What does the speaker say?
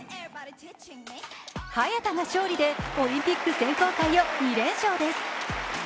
早田が勝利でオリンピック選考会を２連勝です。